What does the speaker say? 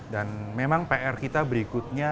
dan memang pr kita berikutnya